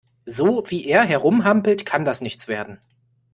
So, wie er herumhampelt, kann das nichts werden.